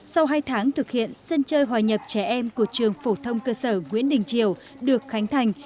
sau hai tháng thực hiện sân chơi hòa nhập trẻ em của trường phổ thông cơ sở nguyễn đình triều được khánh thành